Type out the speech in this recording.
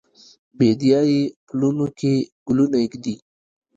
بیدیا یې پلونو کې ګلونه ایږدي